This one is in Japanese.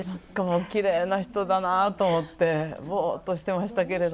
おきれいな人だなと思って、ぼっとしてましたけど。